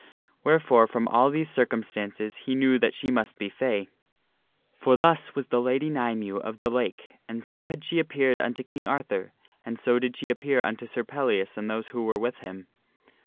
Wherefore from all these circum stances he knew that she must be fay. (For thus was the Lady Nymue of the Lake ; and so had she appeared unto King Arthur, and so did she appear unto Sir Pellias and those who were with him.)